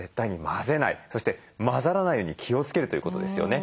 そして混ざらないように気をつけるということですよね。